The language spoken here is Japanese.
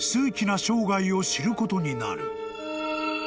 ［を知ることになる］